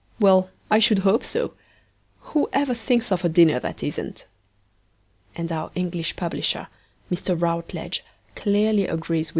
'Well, I should hope so; who ever thinks of a dinner that isn't?' And our English publisher, Mr. Routledge, clearly agrees with M.